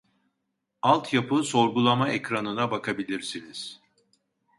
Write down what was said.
Alt yapı sorgulama ekranına bakabilirsiniz